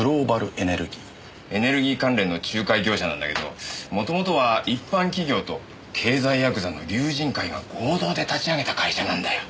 エネルギー関連の仲介業者なんだけどもともとは一般企業と経済やくざの龍神会が合同で立ち上げた会社なんだよ。